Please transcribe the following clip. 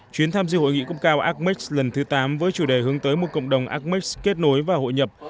chuyến tham dự hội nghị cấp cao akmex lần thứ tám với chủ đề hướng tới một cộng đồng akmex kết nối và hội nhập